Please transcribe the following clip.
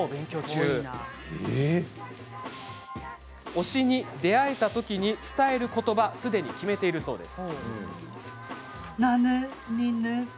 推しに出会えたときに伝えることばも決めています。